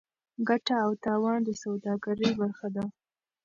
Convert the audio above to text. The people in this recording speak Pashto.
ګټه او تاوان د سوداګرۍ برخه ده.